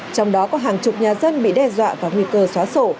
trong đó có hàng chục nhà dân bị đe dọa và nguy cơ xóa sổ